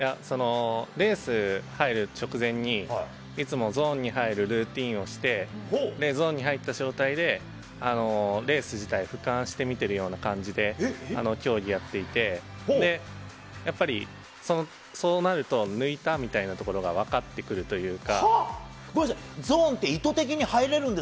レースに入る直前に、いつもゾーンに入るルーティンをして、入った状態でレース自体を俯瞰して見ているような感じで競技をやっていて、そうなると抜いたみたいなところが分かってくるというか。